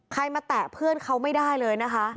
ใครมาแตะเพื่อนเขาไม่ได้เลยนะคะ